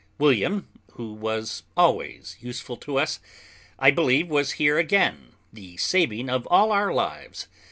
William, who was always useful to us, I believe was here again the saving of all our lives.